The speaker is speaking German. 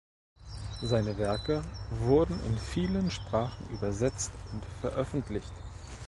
Seine Werke wurden in vielen Sprachen übersetzt und veröffentlicht.